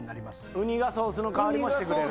ウニがソースの代わりもしてくれる。